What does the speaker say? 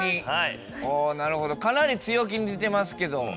おなるほどかなり強気に出てますけど。